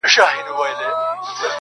په يو خـمـار په يــو نـسه كــي ژونــدون~